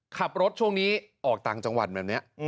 ขับรถช่วงนี้ออกต่างจังหวัดแบบนี้